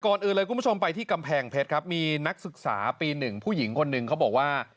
อื่นเลยคุณผู้ชมไปที่กำแพงเพชรครับมีนักศึกษาปี๑ผู้หญิงคนหนึ่งเขาบอกว่า